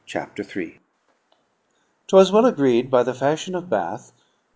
Chapter Three It was well agreed by the fashion of Bath that M.